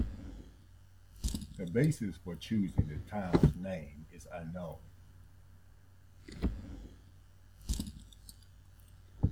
The basis for choosing the town's name is unknown.